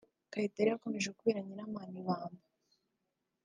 Kayitare yakomeje kubera Nyiramana ibamba